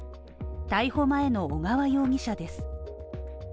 逮捕前の小川容疑者です。